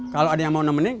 kalau ada yang mau nemenin